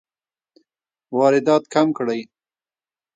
واردات کم کړئ